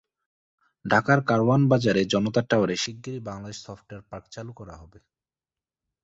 ঢাকার কারওয়ান বাজারে জনতা টাওয়ারে শিগগিরই বাংলাদেশ সফটওয়্যার পার্ক চালু করা হবে।